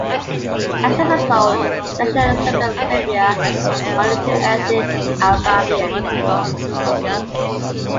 As a result, the National Assembly of Serbia has only two ethnic Albanians.